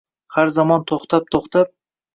Har zamon to’xtab-to’xtab